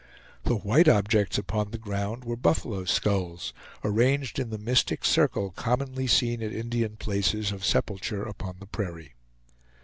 The white objects upon the ground were buffalo skulls, arranged in the mystic circle commonly seen at Indian places of sepulture upon the prairie.